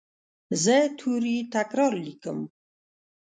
زه توري تکرار لیکم.